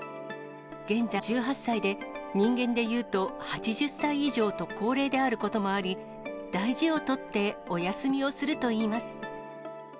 現在１８歳で、人間でいうと８０歳以上と高齢であることもあり、大事を取ってお休みをするといいます。